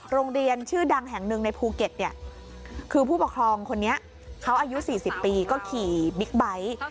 โรงเรียนชื่อดังแห่งหนึ่งในภูเก็ตเนี่ยคือผู้ปกครองคนนี้เขาอายุ๔๐ปีก็ขี่บิ๊กไบท์